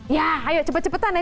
ya ayo cepet cepetan ya